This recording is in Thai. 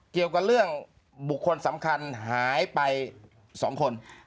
เกี่ยวกับเรื่องบุคคลสำคัญหายไป๒คน